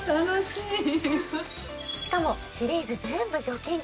しかもシリーズ全部除菌機能付き。